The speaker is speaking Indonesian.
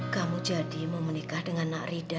kamu jadi mau menikah dengan nak rida